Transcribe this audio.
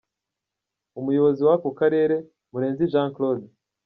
Umuyobozi w’ako karere, Murenzi Jean Claude.